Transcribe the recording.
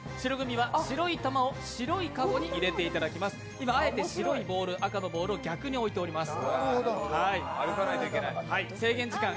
今、あえて白いボール赤のボールを逆に置いております。